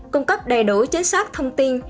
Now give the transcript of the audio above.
cung cấp đầy đủ chính xác thông tin